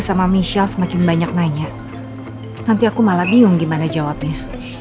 sama michelle semakin banyak nanya nanti aku malah bingung gimana jawabnya